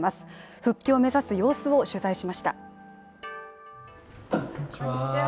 復帰を目指す様子を取材しました。